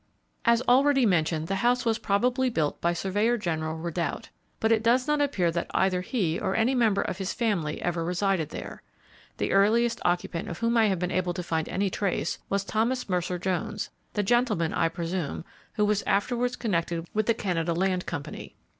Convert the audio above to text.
As already mentioned, the house was probably built by Surveyor General Ridout; but it does not appear that either he or any member of his family ever resided there. The earliest occupant of whom I have been able to find any trace was Thomas Mercer Jones the gentleman, I presume, who was afterwards connected with the Canada Land Company.